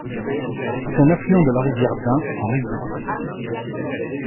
C'est un affluent de la rivière d'Ain en rive droite.